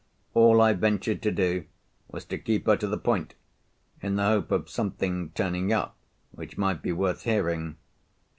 All I ventured to do was to keep her to the point—in the hope of something turning up which might be worth hearing.